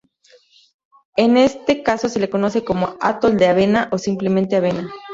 En este caso se le conoce como "atol de avena" o simplemente ""avena"".